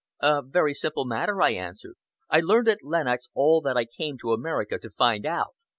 "A very simple matter," I answered. "I learned at Lenox all that I came to America to find out.